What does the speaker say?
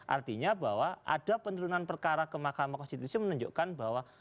artinya bahwa ada penurunan perkara ke mahkamah konstitusi menunjukkan bahwa